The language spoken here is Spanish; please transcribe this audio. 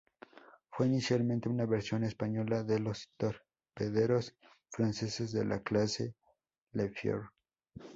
Fue inicialmente una versión española de los torpederos franceses de la clase "Le Fier".